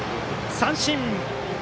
三振！